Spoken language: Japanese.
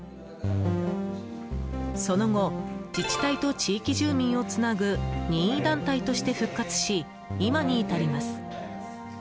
その後自治体と地域住民をつなぐ任意団体として復活し今に至ります。